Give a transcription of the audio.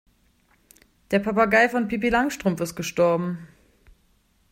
Der Papagei von Pippi Langstrumpf ist gestorben.